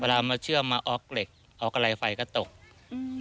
มาเชื่อมมาออกเหล็กออกอะไรไฟก็ตกอืม